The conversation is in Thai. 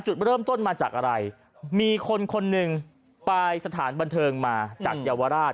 จุดเริ่มต้นมาจากอะไรมีคนคนหนึ่งไปสถานบันเทิงมาจากเยาวราช